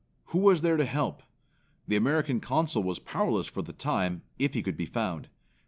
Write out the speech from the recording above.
Who was there to help? The American Consul was powerless for the time, if he could be found.